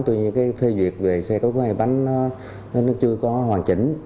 tuy nhiên cái phê duyệt về xe cấp cứu hai bánh nó chưa có hoàn chỉnh